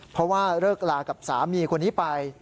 เพราะว่าเลิกลากับสามีคนนี้ไป